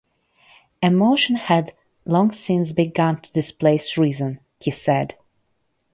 "Emotion had long since begun to displace reason," he said.